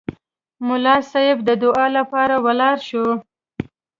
ملا صیب د دعا لپاره ولاړ شو.